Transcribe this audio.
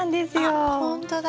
ほんとだ